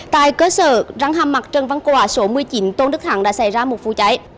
tại cơ sở răng hàm mặt trần văn quả số một mươi chín tôn đức thắng đã xảy ra một vụ cháy